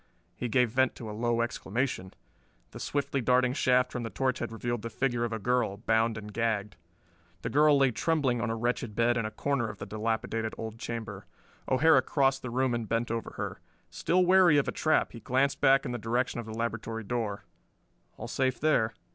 He gave vent to a low exclamation. The swiftly darting shaft from the torch had revealed the figure of a girl, bound and gagged. The girl lay trembling on a wretched bed in a corner of the dilapidated old chamber. O'Hara crossed the room and bent over her. Still wary of a trap he glanced back in the direction of the laboratory door: all safe there.